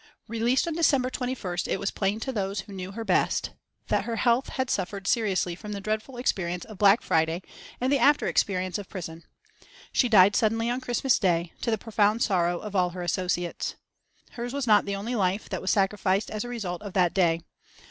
Released on December 21st, it was plain to those who knew her best that her health had suffered seriously from the dreadful experience of Black Friday and the after experience of prison. She died suddenly on Christmas day, to the profound sorrow of all her associates. Hers was not the only life that was sacrificed as a result of that day.